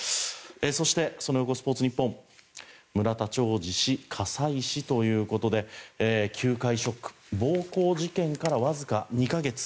そして、その横スポーツニッポン村田兆治氏、火災死ということで球界ショック暴行事件からわずか２か月。